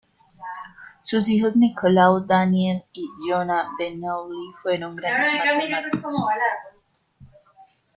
Sus hijos Nicolau, Daniel y Johann Bernoulli fueron grandes matemáticos.